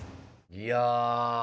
いや。